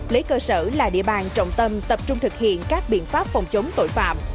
lấy cơ sở là địa bàn trọng tâm tập trung thực hiện các biện pháp phòng chống tội phạm